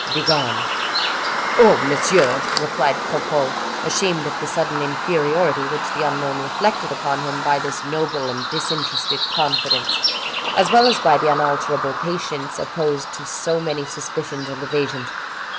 Begone!" "Oh! monsieur," replied Cropole, ashamed of the sudden inferiority which the unknown reflected upon him by this noble and disinterested confidence, as well as by the unalterable patience opposed to so many suspicions and evasions.